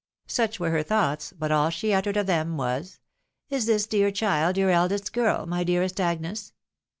Such were her thoughts, but all she uttered of them was, "Is this dear child ycmi eldest girl, my dearest Agnes